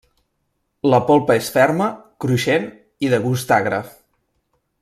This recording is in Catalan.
La polpa és ferma, cruixent i de gust agre.